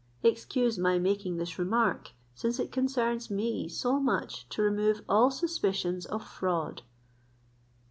Excuse my making this remark, since it concerns me so much to remove all suspicions of fraud."